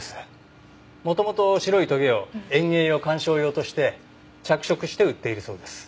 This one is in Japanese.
元々白いトゲを園芸用観賞用として着色して売っているそうです。